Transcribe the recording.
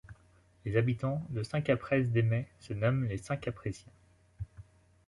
Les habitants de Saint-Capraise-d'Eymet se nomment les Saint Capraisiens.